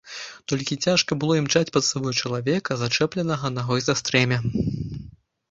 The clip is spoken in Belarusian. Толькі цяжка было імчаць пад сабой чалавека, зачэпленага нагой за стрэмя.